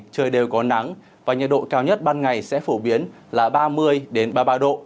trời đều có nắng và nhiệt độ cao nhất ban ngày sẽ phổ biến là ba mươi ba mươi ba độ